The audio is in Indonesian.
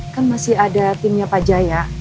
kan masih ada timnya pak jaya